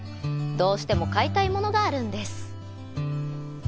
どうしても買いたいものがあるんです。